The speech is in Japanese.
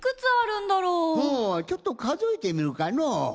ほうちょっとかぞえてみるかのう。